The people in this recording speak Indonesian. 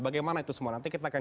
bagaimana itu semua nanti kita akan